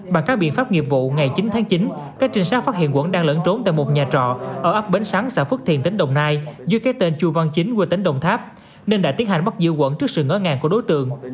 bằng các biện pháp nghiệp vụ ngày chín tháng chín các trinh sát phát hiện quận đang lẫn trốn tại một nhà trọ ở ấp bến sáng xã phước thiền tỉnh đồng nai dưới cái tên chu văn chính quê tỉnh đồng tháp nên đã tiến hành bắt giữ quận trước sự ngỡ ngàng của đối tượng